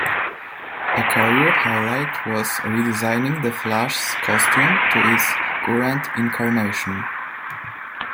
A career highlight was redesigning the Flash's costume to its current incarnation.